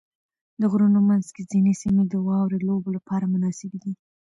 د غرونو منځ کې ځینې سیمې د واورې لوبو لپاره مناسبې دي.